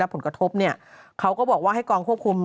ผลกระทบเขาก็บอกว่าให้กองควบคุม